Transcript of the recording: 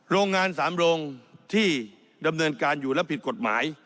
โรงงาน๓โรงที่ดำเนินการอยู่และผิดกฎหมาย